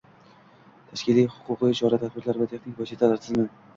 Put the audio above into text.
tashkiliy-huquqiy chora-tadbirlar va texnik vositalar tizimi;